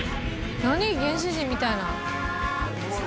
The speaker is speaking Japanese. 何原始人みたいな。